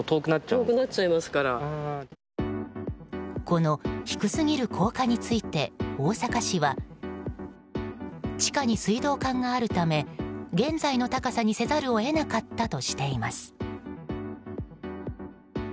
この低すぎる高架について大阪市は地下に水道管があるため現在の高さにせざるを得なかったとしています。